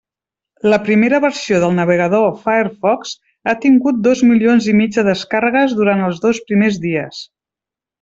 La primera versió del navegador Firefox ha tingut dos milions i mig de descàrregues durant els dos primers dies.